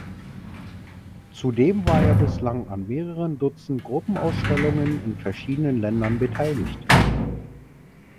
Zudem war er bislang an mehreren Dutzend Gruppenausstellungen in verschiedenen Ländern beteiligt.